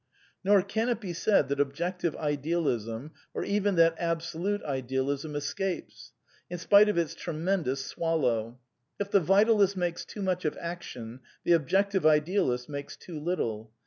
Nor can it be said that Ohjftctiv^ j^f^pKaTn, or even that Absolute Idealism escapes; in spite of its tremendous swallow. If the Vitalist makes too much of action, the Objective Idealist makes too little.